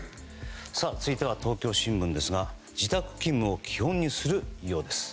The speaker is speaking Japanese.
続いては東京新聞ですが自宅勤務を基本にするようです。